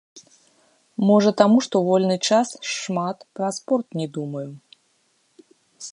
Можа, таму, што ў вольны час шмат пра спорт не думаю.